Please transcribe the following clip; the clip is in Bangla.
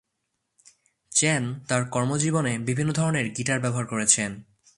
চ্যান তার কর্মজীবনে বিভিন্ন ধরনের গিটার ব্যবহার করেছেন।